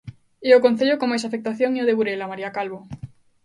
E o concello con máis afectación é o de Burela, María Calvo.